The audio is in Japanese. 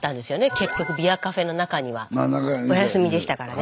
結局ビアカフェの中には。お休みでしたからね。